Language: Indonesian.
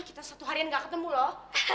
kita satu harian nggak ketemu loh